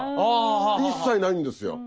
一切ないんですよ。